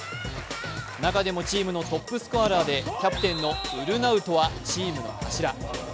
中でもチームのトップスコアラーでキャプテンのウルナウトはチームの柱。